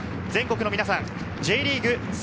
全国の皆さん、Ｊリーグ